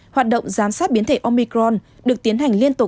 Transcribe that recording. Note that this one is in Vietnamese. hoạt động giám sát biến thể omicron được tiến hành liên tục